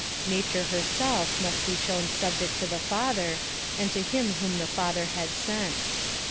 Nature herself must be shown subject to the Father and to him whom the Father had sent.